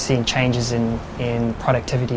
kami melihat perubahan di produktivitas